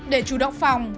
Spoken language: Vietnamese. để chủ động phòng